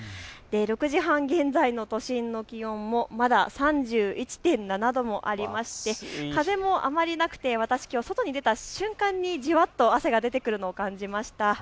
６時半現在の都心の気温、まだ３１．７度もありまして風もあまりなくて私、きょうを外に出た瞬間にじわっと汗が出てくるのを感じました。